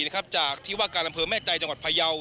จากที่ว่าการอำเภอแม่ใจจังหวัดพยาว